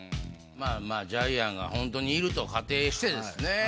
まあまあジャイアンがほんとにいると仮定してですね。